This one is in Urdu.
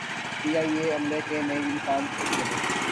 پی ائی اے عملے کے نئے یونیفارم کی ایک جھلک